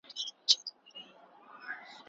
رواجونه پر سياسي پرېکړو ژور اغېز نه لري.